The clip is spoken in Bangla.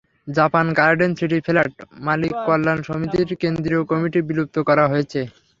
জাপান গার্ডেন সিটি ফ্ল্যাট মালিক কল্যাণ সমিতির কেন্দ্রীয় কমিটি বিলুপ্ত করা হয়েছে।